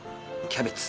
キャベツ。